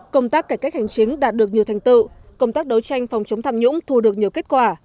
công tác cải cách hành chính đạt được nhiều thành tựu công tác đấu tranh phòng chống tham nhũng thu được nhiều kết quả